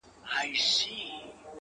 حتمآ به ټول ورباندي وسوځيږي’